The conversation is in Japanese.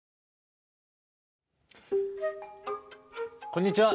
こんにちは。